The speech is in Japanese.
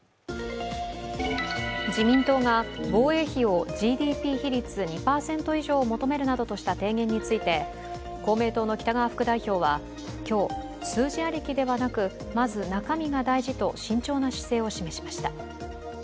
自民党が防衛費をＧＤＰ比率２％以上を求めるなどとした提言について公明党の北側副代表は今日、数字ありきではなくまず中身が大事と慎重な姿勢を示しました。